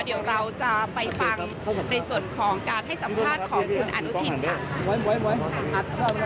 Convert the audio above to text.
เดี๋ยวเราจะไปฟังในส่วนของการให้สัมภาษณ์ของคุณอนุทินค่ะ